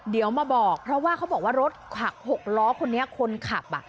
เดี๋ยวมาบอกเพราะว่าเขาบอกว่ารถ๖ล้อคนนี้คนขับ